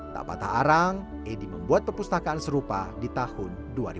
tak patah arang edi membuat perpustakaan serupa di tahun dua ribu dua